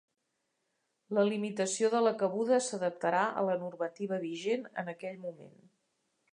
La limitació de la cabuda s’adaptarà a la normativa vigent en aquell moment.